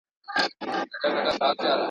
ملت ړوند دی د نجات لوری یې ورک دی.